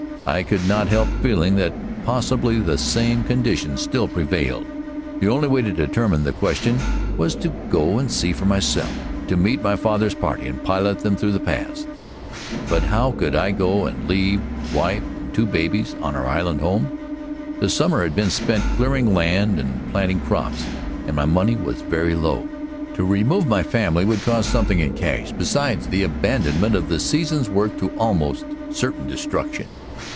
I could not help feeling that possibly the same conditions still prevailed. The only way to determine the question was to go and see for myself, to meet my father's party and pilot them through the pass. [Illustration: We struck awkward but rapid and heavy strokes.] But how could I go and leave wife and two babies on our island home? The summer had been spent in clearing land and planting crops, and my money was very low. To remove my family would cost something in cash, besides the abandonment of the season's work to almost certain destruction.